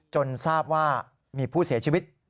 จนทราบว่ามีผู้เสียชีวิต